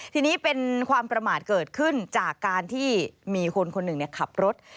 ทีนี้เป็นความประมาทเกิดขึ้นจากการที่มีคนคนหนึ่งขับรถ